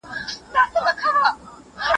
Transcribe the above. «حتی بندر هم له ونې لوېږي.»